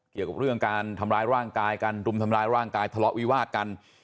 เกี่ยวกับเรื่องการทำร้ายร่างกายกันรุมทำร้ายร่างกายทะเลาะวิวาดกัน